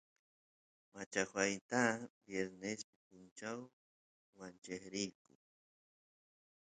machajuay viernespi punchaw wancheq riyku